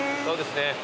そうですね。